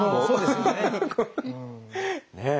そうですね。